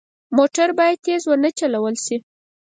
موټر باید تېز نه وچلول شي.